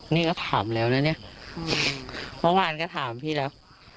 นี่ก็ถามแล้วนะเนี่ยเมื่อวานก็ถามพี่แล้ว